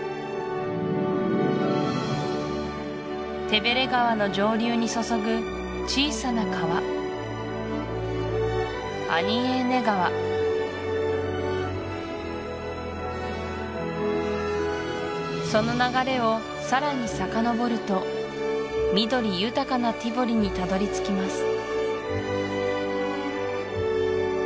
テベレ川の上流に注ぐ小さな川その流れをさらにさかのぼると緑豊かなティヴォリにたどり着きます